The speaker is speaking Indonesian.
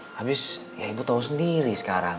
habis ya ibu tahu sendiri sekarang